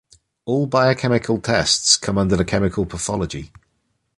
All biochemical tests come under chemical pathology.